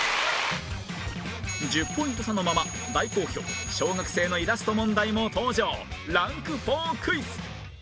１０ポイント差のまま大好評小学生のイラスト問題も登場ランク４クイズ